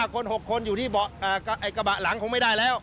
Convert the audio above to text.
คน๖คนอยู่ที่กระบะหลังคงไม่ได้แล้ว